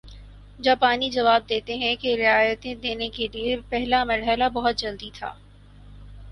جاپانی جواب دیتے ہیں کہ رعایتیں دینے کے لیے پہلا مرحلہ بہت جلدی تھا